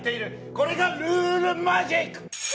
これがルールマジック！！